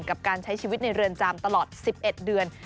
กับการใช้ชีวิตในเรือนจำตลอด๑๑เดือน